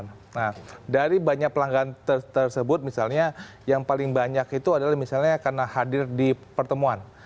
nah dari banyak pelanggan tersebut misalnya yang paling banyak itu adalah misalnya karena hadir di pertemuan